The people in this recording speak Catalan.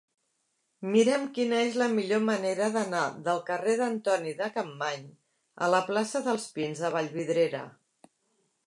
Mira'm quina és la millor manera d'anar del carrer d'Antoni de Capmany a la plaça dels Pins de Vallvidrera.